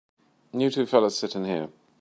You two fellas sit in here.